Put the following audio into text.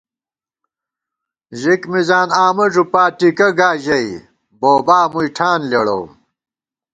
ژِک مِزان آمہ ݫُپا ، ٹِکہ گا ژَئی بوبا مُوئی ٹھان لېڑَوُم